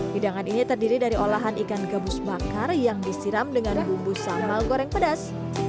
hidangan ini terdiri dari olahan ikan gabus bakar yang disiram dengan bumbu sambal goreng pedas